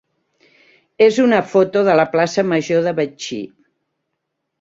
és una foto de la plaça major de Betxí.